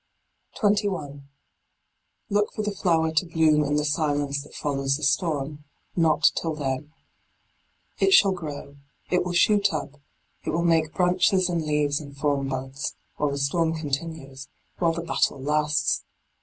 21. Look for the flower to bloom in the silence that follows the storm : not till then. It shall grow, it will shoot up, it will make branches and leaves and form buds, while the storm continues, while the battle lasts.